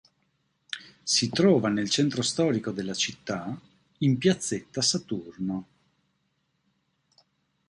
Si trova nel centro storico della città, in piazzetta Saturno.